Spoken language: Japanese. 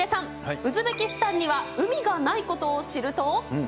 ウズベキスタンには海がないことを知ると。